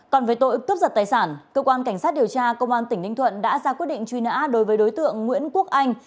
còn về tội cướp giật tài sản cơ quan cảnh sát điều tra công an tỉnh ninh thuận đã ra quyết định truy nã đối với đối tượng nguyễn quốc anh